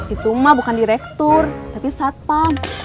itu mah bukan direktur tapi satpam